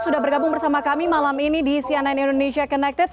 kabung bersama kami malam ini di cnn indonesia connected